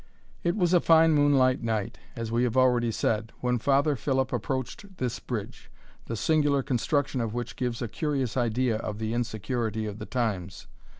It was a fine moonlight night, as we have already said, when Father Philip approached this bridge, the singular construction of which gives a curious idea of the insecurity of the times.